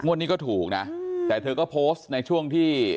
วันนี้ก็ถูกนะแต่เธอก็โพสต์ในช่วงที่